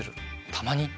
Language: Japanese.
たまに。